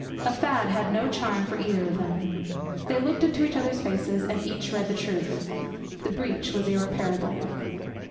A fad had no charm for either of them. They looked into each other's faces, and each read the truth. The breach was irreparable.